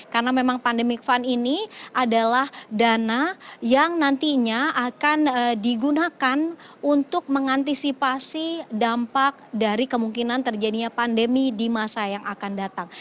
karena memang pandemic fund ini adalah dana yang nantinya akan digunakan untuk mengantisipasi dampak dari kemungkinan terjadinya pandemi di masa yang akan datang